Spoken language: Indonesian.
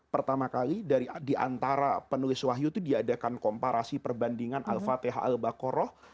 pertama kali dari diantara penulis wahyu itu diadakan komparasi perbandingan al fatihah al baqarah